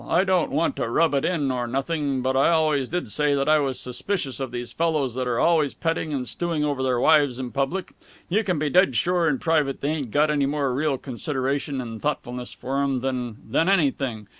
I don't want to rub it in or nothing, but I always did say that I was suspicious of these fellows that are always petting and stewing over their wives in public you can be dead sure that in private they ain't got any more real consideration 'n' thoughtfulness for 'em than than anything.